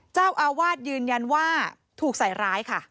เจ้าอาวาสยืนยันว่าถูกใส่ร้ายค่ะ